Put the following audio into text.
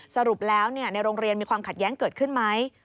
สรุปแล้วในโรงเรียนมีความขัดแย้งเกิดขึ้นไหม